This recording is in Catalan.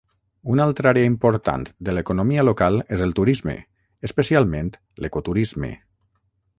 Una altra àrea important de l'economia local és el turisme, especialment l'ecoturisme.